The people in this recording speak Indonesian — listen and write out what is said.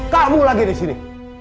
kamu lagi disini